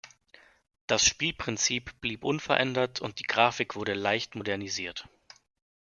Das Spielprinzip blieb unverändert und die Grafik wurde leicht modernisiert.